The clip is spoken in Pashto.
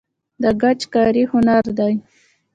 د ګچ کاري هنر دی